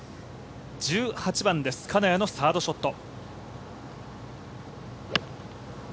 １８番です、金谷のサードショット。